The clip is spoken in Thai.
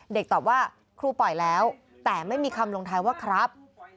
ตอบว่าครูปล่อยแล้วแต่ไม่มีคำลงท้ายว่าครับ